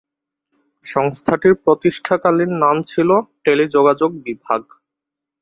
সংস্থাটির প্রতিষ্ঠাকালীন নাম ছিল টেলিযোগাযোগ বিভাগ।